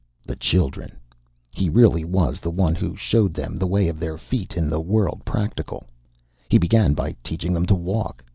The children! He really was the one who showed them the way of their feet in the world practical. He began by teaching them to walk.